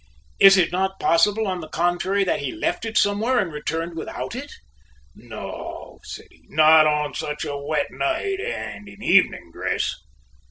Is it not possible on the contrary that he left it somewhere and returned without it?" "No," he said, "not on such a wet night and in evening dress."